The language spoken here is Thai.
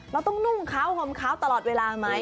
เราต้องนุ่มเข้าขอมเข้าตลอดเวลามั้ย